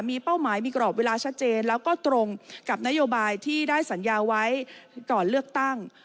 มีเป้าหมายมีกรอบเวลาชัดเจนแล้วก็ตรงกับนโยบายที่ได้สัญญาไว้ก่อนเลือกตั้ง